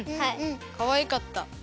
かわいかった。